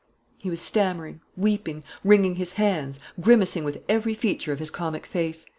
He was stammering, weeping, wringing his hands, grimacing with every feature of his comic face.